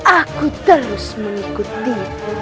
aku terus mengikuti